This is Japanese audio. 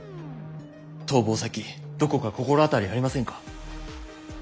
逃亡先どこか心当たりありませんか？